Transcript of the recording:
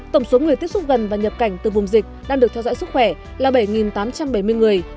tổng số người tiếp xúc gần và nhập cảnh từ vùng dịch đang được theo dõi sức khỏe là bảy tám trăm bảy mươi người